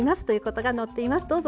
ということが載っています。